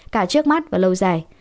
cả trước mắt và lâu dài